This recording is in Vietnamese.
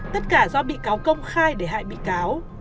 tất cả do bị cáo công khai để hại bị cáo